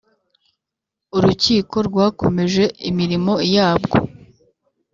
urukiko rwakomeje imirimo yabwo